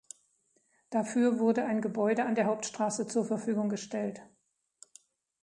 Dafür wurde ein Gebäude an der Hauptstraße zur Verfügung gestellt.